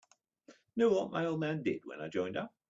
Know what my old man did when I joined up?